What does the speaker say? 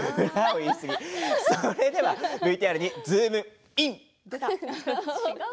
それではＶＴＲにズームイン！